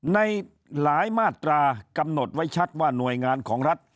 ในหลายมาตรากำหนดไว้ชัดว่าหน่วยงานของรัฐ